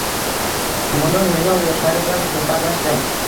Qo‘mondon Mo‘ynoq yoshlari bilan suhbatlashdi